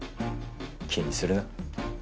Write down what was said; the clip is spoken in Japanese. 気にするな。